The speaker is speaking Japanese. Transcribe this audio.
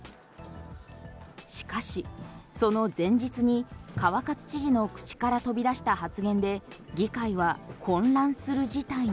しかし、その前日に川勝知事の口から飛び出した発言で議会は混乱する事態に。